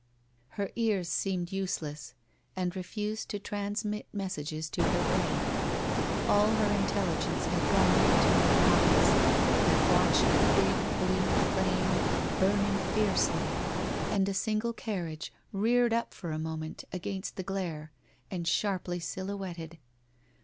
Her ears seemed useless and refused to transmit mes sages to her brain. All her intelligence had gone into her eyes, that watched the big blue flame burning fiercely, and a single carriage reared up for a moment against the glare and sharply silhouetted.